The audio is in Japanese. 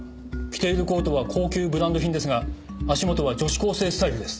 着ているコートは高級ブランド品ですが足元は女子高生スタイルです。